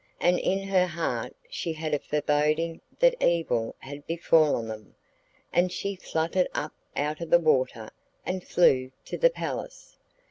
And in her heart she had a foreboding that evil had befallen them, and she fluttered up out of the water and flew to the palace.